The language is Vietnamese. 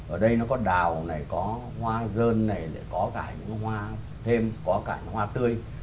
ở đây nó có đào này có hoa dơn này có cả những hoa thêm có cả hoa tươi